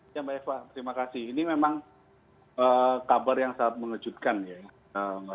ya mbak eva terima kasih ini memang kabar yang sangat mengejutkan ya